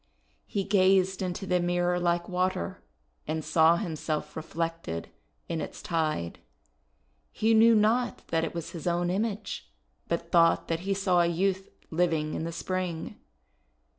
He gazed into the mirror like water, and saw himself reflected in its tide. He knew not that it was his own image, but thought that he saw a youth living in the spring.